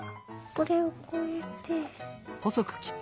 これをこうやって。